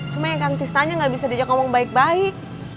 cuma yang kang tisnanya gak bisa diajak ngomong baik baik